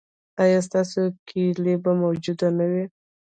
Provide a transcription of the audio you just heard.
ایا ستاسو کیلي به موجوده نه وي؟